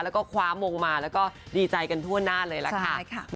แล้วก็คว้ามงมาแล้วก็ดีใจกันทั่วหน้าเลยล่ะค่ะ